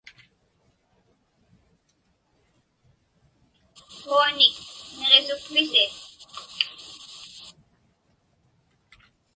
Qaunik niġisukpisi?